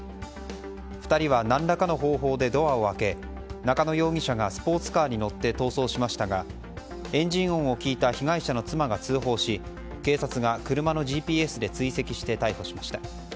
２人は何らかの方法でドアを開け中野容疑者がスポーツカーに乗って逃走しましたがエンジン音を聞いた被害者の妻が通報し警察が、車のＧＰＳで追跡して逮捕しました。